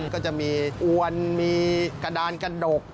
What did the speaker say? ก็จะมีอวนมีกระดานกระดก